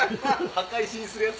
墓石にするやつ。